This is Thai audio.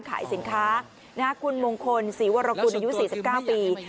นะครับคุณมงคลศรีวรกูในยุค๔๙ปี